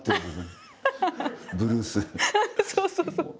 そうそうそう。